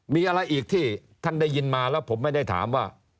มีอะไรอีกที่ท่านได้ยินมาแล้วผมไม่ได้ถามว่า